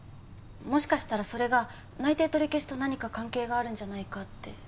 もしかしたらそれが内定取り消しと何か関係があるんじゃないかって。